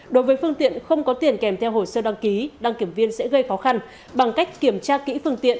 đối với phương tiện không có tiền kèm theo hồ sơ đăng ký đăng kiểm viên sẽ gây khó khăn bằng cách kiểm tra kỹ phương tiện